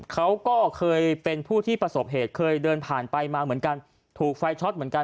เขาก็เคยเป็นผู้ที่ประสบเหตุเคยเดินผ่านไปมาเหมือนกันถูกไฟช็อตเหมือนกัน